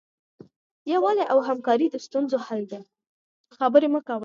یووالی او همکاري د ستونزو حل دی.